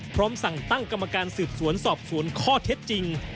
พร้อมสั่งตั้งกรรมการสืบสวนสอบสวนข้อเท็จจริง